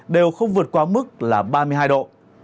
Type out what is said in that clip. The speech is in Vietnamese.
đều không vượt qua mức là ba mươi hai độ